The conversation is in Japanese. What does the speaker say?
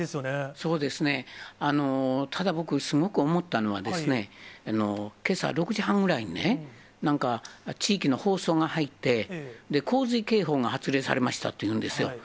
そうですね、ただ、僕、すごく思ったのは、けさ６時半ぐらいに、なんか、地域の放送が入って、洪水警報が発令されましたっていうんですよ。